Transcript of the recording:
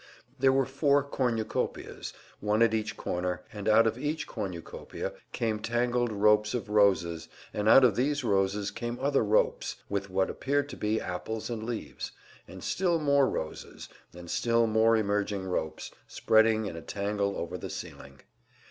There were four cornucopias, one at each corner, and out of each cornucopia came tangled ropes of roses, and out of these roses came other ropes, with what appeared to be apples and leaves, and still more roses, and still more emerging ropes, spreading in a tangle over the ceiling.